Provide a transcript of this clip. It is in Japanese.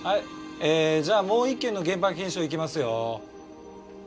ええじゃあもう一件の現場検証いきますよ。